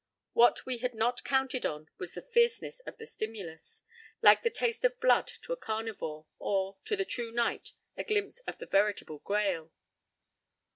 —What we had not counted on was the fierceness of the stimulus—like the taste of blood to a carnivore or, to the true knight, a glimpse of the veritable Grail.